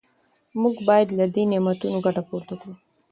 موږ باید له دې نعمتونو ګټه پورته کړو.